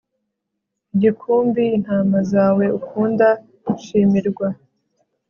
igikumbi intama zawe ukunda, shimirwa